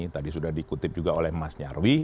tadi sudah dikutip juga oleh mas nyarwi